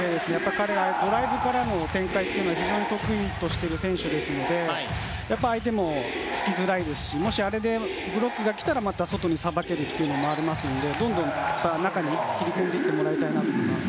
彼はドライブからの展開というのが非常に得意な選手なので相手も付きづらいですしもしあれでブロックが来たらまた外にさばけるというのもありますのでどんどん中に切り込んでもらいたいです。